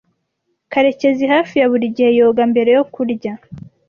Karekezi hafi ya buri gihe yoga mbere yo kurya.